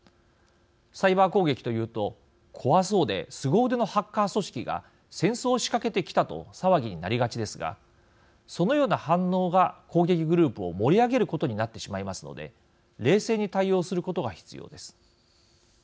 サイバー攻撃というと、怖そうですご腕のハッカー組織が戦争を仕掛けてきたと騒ぎになりがちですがそのような反応が攻撃グループを盛り上げることになってしまいますので冷静に対応することが必要です。